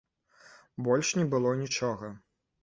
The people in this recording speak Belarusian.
Больш не было нічога.